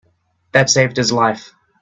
That saved his life.